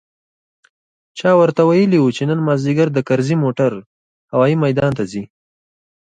چا ورته ويلي و چې نن مازديګر د کرزي موټر هوايي ميدان ته ځي.